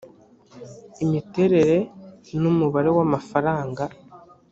imiterere n umubare w amafaranga